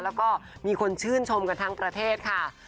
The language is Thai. แล้วก็มีคนชื่นชมกันทั้งประเทศค่ะ